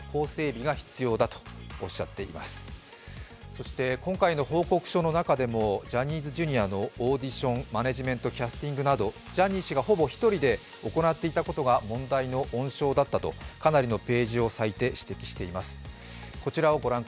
そして今回の報告書の中でもジャニーズＪｒ．のオーディション、マネジメントなどをほぼ１人で行っていたことがこの問題の温床だったと、かなりのページを割いて指摘しています。